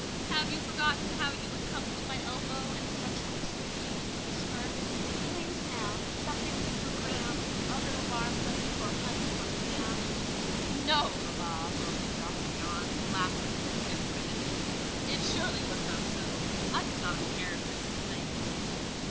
"Have you forgotten how you would come to my elbow and touch my sleeve with the whisper, 'Please, ma'am, something good for Graham—a little marmalade, or honey, or jam?'" "No, mamma," broke in Dr. John, laughing, yet reddening; "it surely was not so: I could not have cared for these things."